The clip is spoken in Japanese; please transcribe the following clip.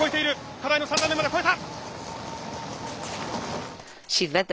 課題の３段目まで越えた。